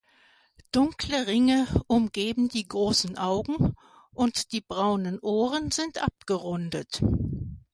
Dunkle Ringe umgeben die großen Augen und die braunen Ohren sind abgerundet.